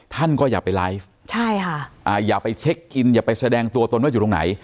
ท่านก็อย่าไปไลฟ์ใช่ค่ะอ่าอย่าไปเช็คกินอย่าไปแสดงตัวตนว่าอยู่ตรงไหน